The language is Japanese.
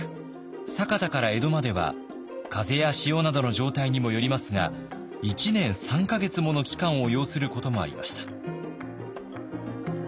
酒田から江戸までは風や潮などの状態にもよりますが１年３か月もの期間を要することもありました。